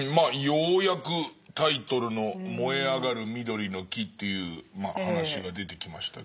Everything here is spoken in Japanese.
ようやくタイトルの「燃えあがる緑の木」という話が出てきましたけど。